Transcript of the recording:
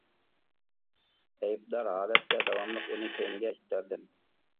ئەيىبدار ھالەتتە داۋاملىق ئۇنى كەينىگە ئىتتەردىم.